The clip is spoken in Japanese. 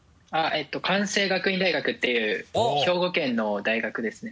関西学院大学っていう兵庫県の大学ですね。